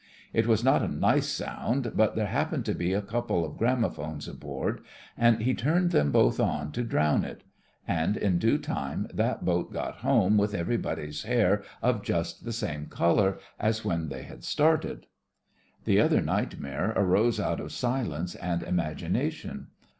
It was not a nice sound, but there happened to be a couple of gramo phones aboard, and he turned them both on to drown it. And in due time that boat got home with every body's hair of just the same colour as when they had started! The other nightmare arose out of silence and imagination.